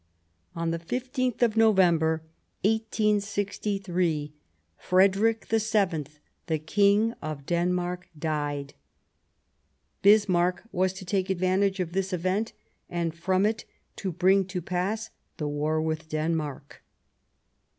On the 15th of November, 1863, Frederick VII, the King of Denmark, died, Bismarck was to take advantage of this event and from it to bring to pass the war with Denmark.